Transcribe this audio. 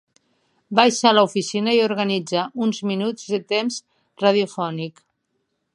Baixa a l'oficina i organitza uns minuts de temps radiofònic.